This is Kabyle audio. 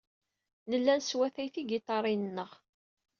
Nella neswatay tigiṭarin-nneɣ.